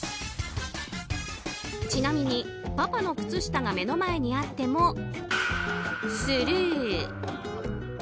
ちなみに、パパの靴下が目の前にあってもスルー。